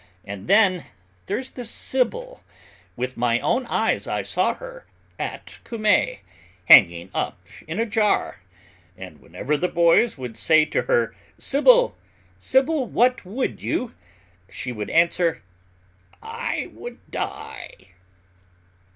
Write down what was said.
And then, there's the Sibyl: with my own eyes I saw her, at Cumae, hanging up in a jar; and whenever the boys would say to her 'Sibyl, Sibyl, what would you?' she would answer, 'I would die.